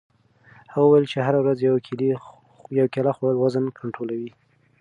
هغه وویل چې هره ورځ یوه کیله خوړل وزن کنټرولوي.